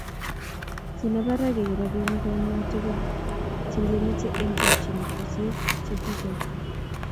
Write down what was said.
Kina barak eng robinik oino tuguk chegemeche eng chokchinet kosiir chegigoitoi